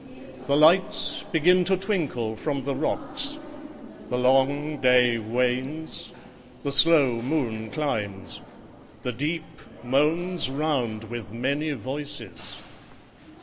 The lights begin to twinkle from the rocks: The long day wanes: the slow moon climbs: the deep Moans round with many voices.